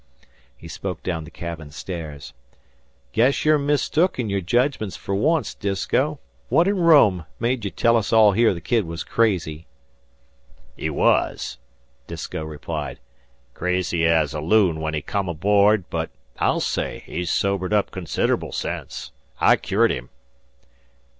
He spoke down the cabin stairs. "Guess you're mistook in your judgments fer once, Disko. What in Rome made ye tell us all here the kid was crazy?" "He wuz," Disko replied. "Crazy ez a loon when he come aboard; but I'll say he's sobered up consid'ble sence. I cured him."